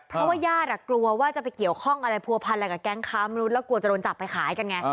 เพราะว่าญาติกลัวว่าจะไปเกี่ยวข้องอะไรผัวพันอะไรกับแก๊งค้ามนุษย์แล้วกลัวจะโดนจับไปขายกันไง